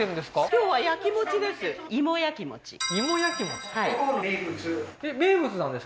今日は焼き餅です